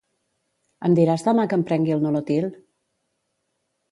Em diràs demà que em prengui el Nolotil?